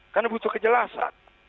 karena butuh kejelasan